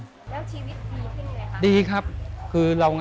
แล้วชีวิตดีขึ้นอย่างไรคะ